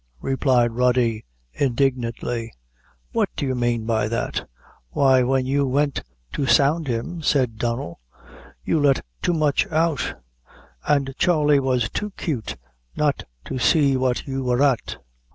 replied Rody, indignantly; "what do you mane by that?" "Why, when you went to sound him," said Donnel, "you let too much out; and Charley was too cute not to see what you wor at."